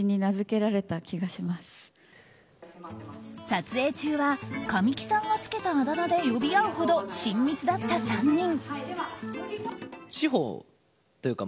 撮影中は神木さんがつけたあだ名で呼び合うほど親密だった３人。